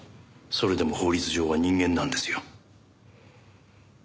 それでも法律上は人間なんですよ。